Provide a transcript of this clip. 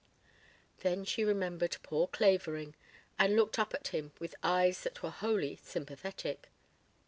Then she remembered poor Clavering and looked up at him with eyes that were wholly sympathetic.